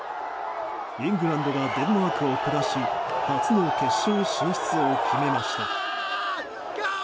イングランドがデンマークを下し初の決勝進出を決めました。